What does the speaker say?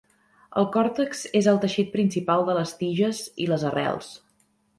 El còrtex és el teixit principal de les tiges i les arrels.